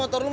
ada apa be